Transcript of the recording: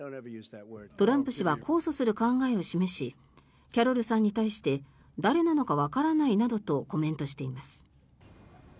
トランプ氏は控訴する考えを示しキャロルさんに対して誰なのかわからないなどとコメントしています。